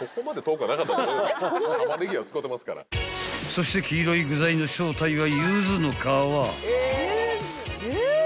［そして黄色い具材の正体は］